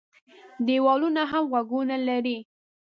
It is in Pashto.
ديوالونه هم غوږونه لري.